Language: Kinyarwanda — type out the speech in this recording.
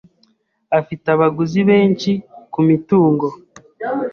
Afite abaguzi benshi kumitungo.